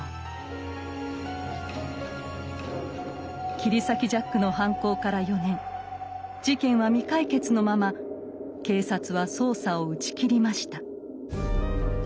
切り裂きジャックの犯行から４年事件は未解決のまま警察は捜査を打ち切りました。